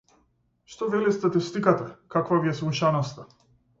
Што вели статистиката, каква ви е слушаноста?